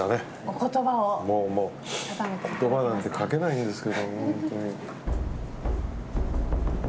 言葉なんて書けないんですけど。